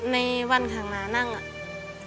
ในวันข้างหมานั่งอ่ะ